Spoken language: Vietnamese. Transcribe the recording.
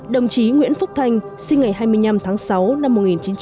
đồng chí nguyễn phúc thanh sinh ngày hai mươi năm tháng sáu năm một nghìn chín trăm bảy mươi